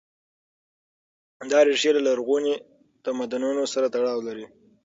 دا ريښې له لرغونو تمدنونو سره تړاو لري.